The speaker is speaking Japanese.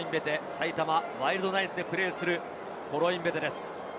埼玉ワイルドナイツでプレーするコロインベテです。